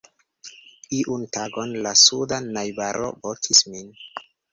Iun tagon la suda najbaro vokis min.